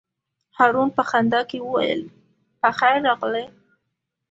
هارون په خندا کې وویل: په خیر راغلې.